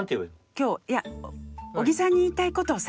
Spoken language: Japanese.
今日いや小木さんに言いたいことをさ